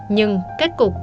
nhưng kết cục